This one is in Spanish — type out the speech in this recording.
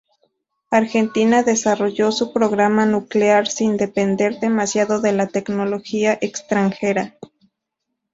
Argentina desarrolló su programa nuclear sin depender demasiado de la tecnología extranjera.